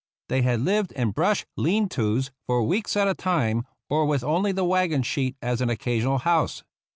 They had lived in brush lean tos for weeks at a time, or with only the wagon sheet as an occasional house.